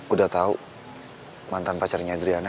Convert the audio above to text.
udah tahu mantan pacarnya adriana